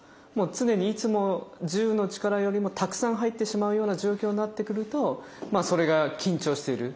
常にいつも１０の力よりもたくさん入ってしまうような状況になってくるとそれが緊張している。